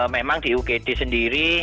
memang di ukd sendiri